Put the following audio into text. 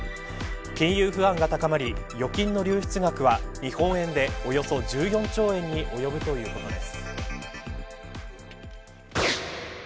金融不安が高まり預金の流出額は日本円でおよそ１４兆円に及ぶということです。